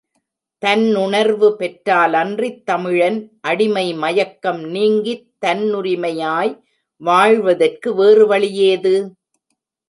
தன்னுணர்வு பெற்றாலன்றித் தமிழன் அடிமை மயக்கம் நீங்கித் தன்னுரிமையாய் வாழ்வதற்கு வேறு வழியேது?